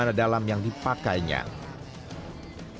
jika video ini berhasil polisi kemudian mengundang akun yang dipakai